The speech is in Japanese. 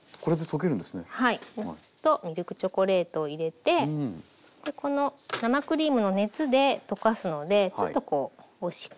ミルクチョコレートを入れてこの生クリームの熱で溶かすのでちょっとこう押し込んで。